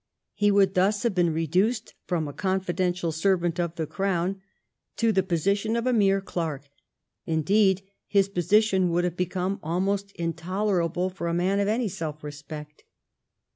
''^ He would thus have been reduced from a confidential servant of the Crown, to the position of a mere clerk, indeed his position would have become almost intolerable for a man of any self respect.